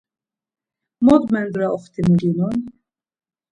Mot mendra oxtimu ginon?.